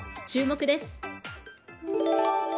注目です。